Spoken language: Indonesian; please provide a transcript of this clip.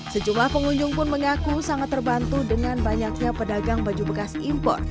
sejumlah pengunjung pun mengaku sangat terbantu dengan banyaknya pedagang baju bekas impor